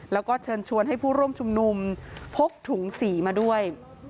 แล้วก็เชิญชวนให้ผู้ร่วมชุมนุมพกถุงสีมาด้วย